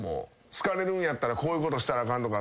好かれるんやったらこういうことしたらあかんとか。